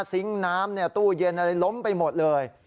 ซิงค์น้ำตู้เย็นอะไรล้มไปหมดเลย